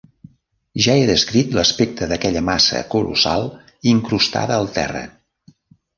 Ja he descrit l'aspecte d'aquella massa colossal incrustada al terra.